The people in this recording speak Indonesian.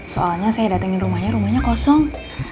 soalnya saya datengin rumahnya rumahnya kosong